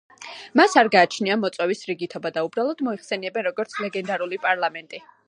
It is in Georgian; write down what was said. მას არ გააჩნია მოწვევის რიგითობა და უბრალოდ მოიხსენიებენ როგორც „ლეგენდარული პარლამენტი“.